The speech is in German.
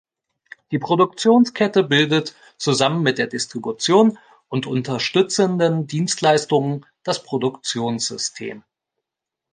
Die Produktionskette bildet zusammen mit der Distribution und unterstützenden Dienstleistungen das Produktionssystem.